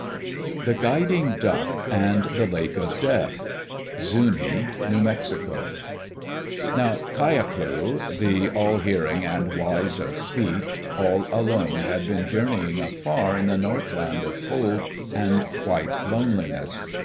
The Guiding Duck and the Lake of Death Zuni (New Mexico) Now K yak lu, the all hearing and wise of speech, all alone had been journeying afar in the North Land of cold and white loneliness.